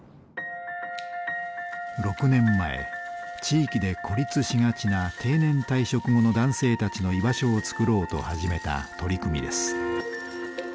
６年前地域で孤立しがちな定年退職後の男性たちの居場所をつくろうと始めた取り組みです。